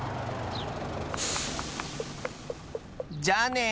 じゃあね！